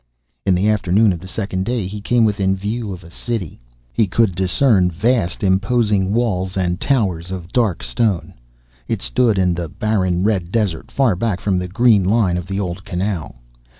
In the afternoon of the second day, he came within view of a city. He could discern vast, imposing walls and towers of dark stone. It stood in the barren red desert, far back from the green line of the old canal.